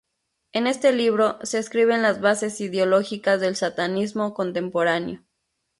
En este libro se escriben las bases ideológicas del satanismo contemporáneo.